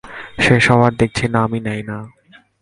শেষ হওয়ার দেখছি নামই নেয় না।